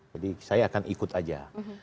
jadi saya akan ikut saja